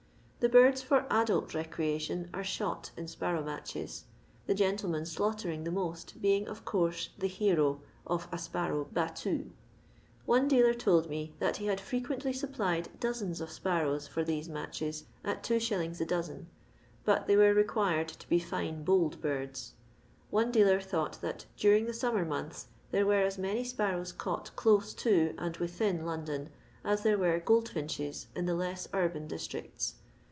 The birds fer adnlt rscrcatieK are shot in sparrow matches; the mtlemaa slaughtering the most being, of eoorse, the kero of a sparrow battmt/* One deal«r told me that ha had fipequently supplied doaens of sparrows for these matches, at 2i. the doien, bnt they were re quired to be fine bold birds ! One dealer dioi^t that during the summer months there were as many sparrows caught close to and within Lsn don as there were goldfinches in the lees urban districts.